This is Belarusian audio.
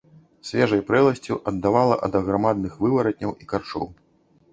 Свежай прэласцю аддавала ад аграмадных вываратняў і карчоў.